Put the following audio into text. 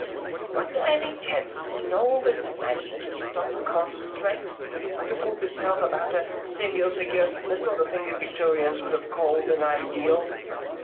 "Was there any tendency in all this imaginative stuff to concentrate? To group itself about a single figure, the sort of thing that Victorians would have called an ideal?"